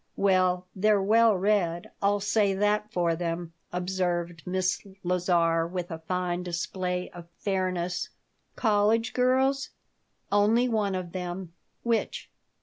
"Well, they're well read. I'll say that for them," observed Miss Lazar, with a fine display of fairness "College girls?" "Only one of them." "Which?"